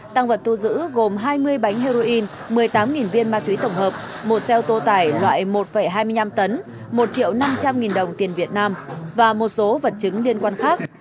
tăng vật thu giữ gồm hai mươi bánh heroin một mươi tám viên ma túy tổng hợp một xe ô tô tải loại một hai mươi năm tấn một năm trăm linh nghìn đồng tiền việt nam và một số vật chứng liên quan khác